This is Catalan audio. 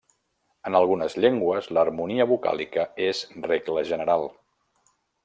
En algunes llengües, l'harmonia vocàlica és regla general.